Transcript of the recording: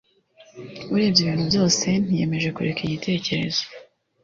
Urebye ibintu byose niyemeje kureka igitekerezo